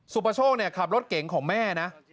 ปโชคขับรถเก๋งของแม่นะ